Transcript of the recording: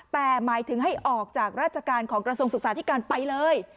แต่หมายถึงให้ออกจากราชการของกระทรวงศึกษาธิการไปเลย